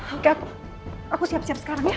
oke aku siap siap sekarang ya